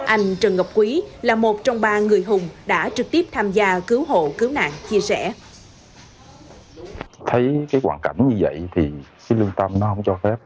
anh trần ngọc quý là một trong ba người hùng đã trực tiếp tham gia cứu hộ cứu nạn chia sẻ